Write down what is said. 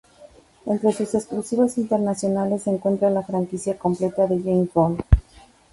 Entre sus exclusivas internacionales se encuentra la franquicia completa de James Bond.